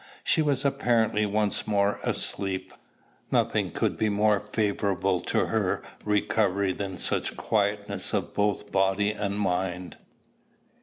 She was apparently once more asleep. Nothing could be more favorable to her recovery than such quietness of both body and mind.